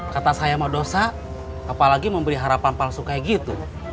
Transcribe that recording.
kata saya mau dosa apalagi memberi harapan palsu kayak gitu